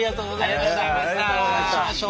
またお会いしましょう。